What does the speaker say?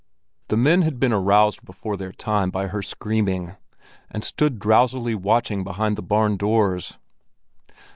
The men had been aroused before their time by her screaming, and stood drowsily watching behind the barn doors.